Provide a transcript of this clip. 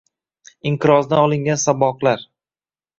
Inqirozdan olingan saboqlar